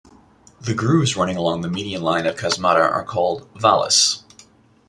The grooves running along the median line of chasmata are called "valles".